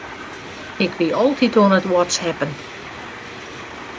Ik wie altyd oan it whatsappen.